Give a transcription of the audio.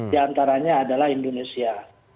di antaranya adalah indonesia